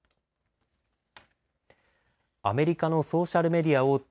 アメリカのソーシャルメディア大手